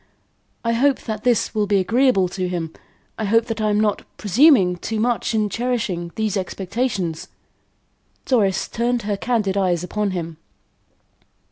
I hope that this will be agreeable to him. I hope that I am not presuming too much in cherishing these expectations." Doris turned her candid eyes upon him.